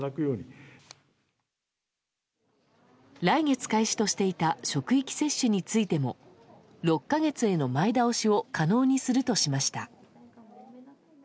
来月開始としていた職域接種についても６か月への前倒しを可能にするとしました。